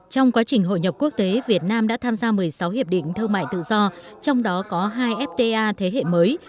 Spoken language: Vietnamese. trong quá trình hội nhập quốc tế việt nam đã tham gia một mươi sáu hiệp định thương mại tự do trong đó có hai fta thế hệ mới